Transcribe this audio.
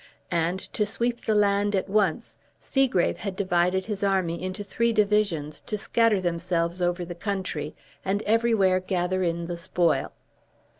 And, to sweep the land at once, Segrave had divided his army into three divisions, to scatter themselves over the country, and everywhere gather in the spoil.